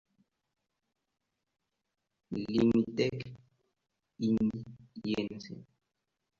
Limited, Inc.